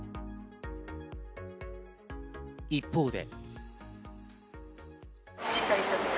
一方で。